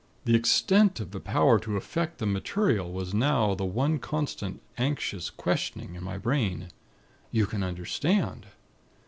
The extent of the Power to affect the Material was now the one constant, anxious questioning in my brain. You can understand?